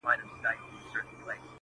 په دوا چي یې رڼا سوې دواړي سترګي -